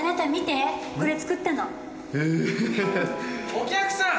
お客さん！